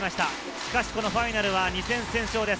しかし、このファイナルは２戦先勝です。